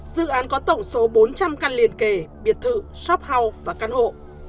dự án có tổng số bốn trăm linh căn liền kề biệt thự shop house và căn hộ